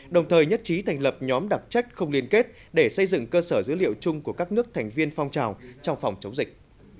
đồng thời nhất trí thành lập nhóm đặc trách không liên kết để xây dựng cơ sở dữ liệu chung của các nước thành viên phong trào trong phòng chống dịch